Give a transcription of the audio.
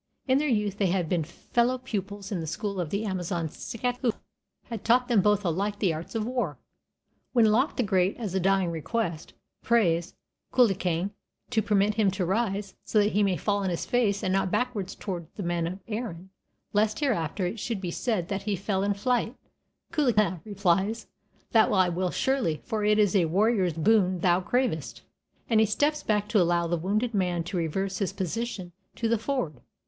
In their youth they had been fellow pupils in the school of the Amazon Scathach, who had taught them both alike the arts of war. When Loch the Great, as a dying request, prays Cuchulainn to permit him to rise, "so that he may fall on his face and not backwards towards the men of Erin," lest hereafter it should be said that he fell in flight, Cuchulainn replies: "That will I surely, for it is a warrior's boon thou cravest," and he steps back to allow the wounded man to reverse his position in the ford.